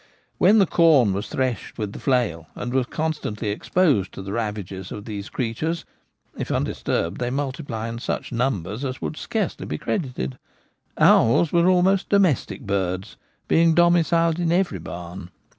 When the corn was threshed with the flail, and was consequently exposed to the ravages of these creatures (if undisturbed they multiply in such numbers as would scarcely be credited) owls were almost domestic birds, being domiciled in every barn.